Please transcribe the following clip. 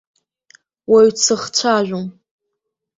Уаҩ дсыхцәажәом.